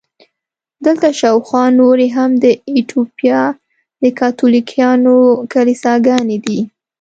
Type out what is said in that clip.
دلته شاوخوا نورې هم د ایټوپیا د کاتولیکانو کلیساګانې دي.